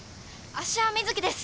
芦屋瑞稀です